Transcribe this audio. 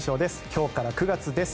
今日から９月です。